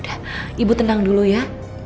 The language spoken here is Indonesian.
udah ibu tenang dulu ya